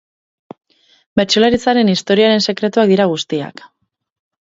Bertsolaritzaren historiaren sekretuak dira guztiak.